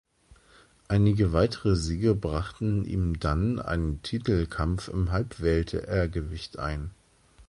Einige weitere Siege brachten ihm dann einen Titelkampf im Halbweltergewicht ein.